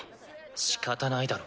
しかたないだろ。